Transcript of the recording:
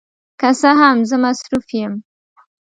که څه هم، زه مصروف یم.